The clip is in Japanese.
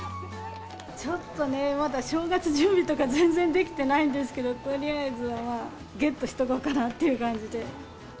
ちょっとね、まだ正月準備とか、全然できてないんですけど、とりあえずゲットしておこうかなっていう感じで。